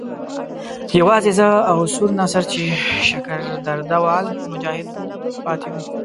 یوازې زه او سور ناصر چې شکر درده وال مجاهد وو پاتې وو.